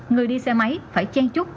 người đi xe máy phải chen chút